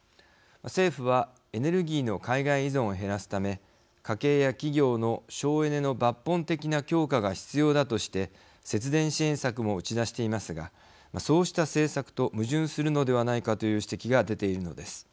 政府はエネルギーの海外依存を減らすため家計や企業の省エネの抜本的な強化が必要だとして節電支援策も打ち出していますがそうした政策と矛盾するのではないかという指摘が出ているのです。